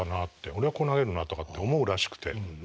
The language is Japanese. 俺はこう投げるなとかって思うらしくて。